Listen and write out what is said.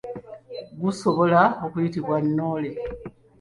Gusobola okuyitibwa nnoole.